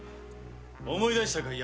思い出したかい？